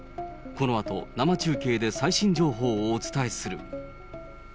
このあと生中継で最新情報をお伝えする。